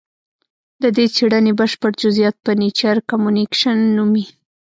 د دې څېړنې بشپړ جزیات په نېچر کمونیکشن نومې